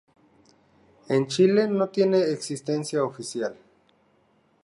En Chile no tiene existencia oficial.